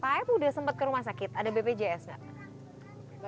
pak aep udah sempat ke rumah sakit ada bpjs nggak